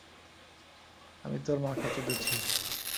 আমি তোর মাকে চুদেছি।